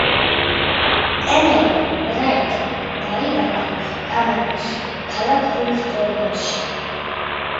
კემერონ ბრაიტი დაიბადა კანადაში, ქალაქ ვიქტორიაში.